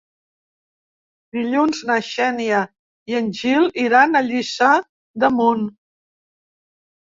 Dilluns na Xènia i en Gil iran a Lliçà d'Amunt.